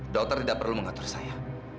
dokter tidak perlu mengatur saya